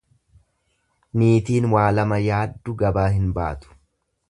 Niitiin waa lama yaaddu gabaa hin baatu.